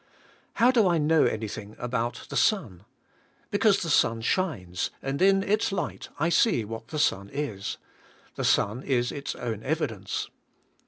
How do I know anything about the sun? Because the sun shines, and in its light I see what the sun is. The sun is its own evidence.